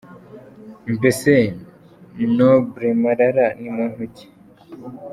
Mbese Noble Marara ni muntu ki ?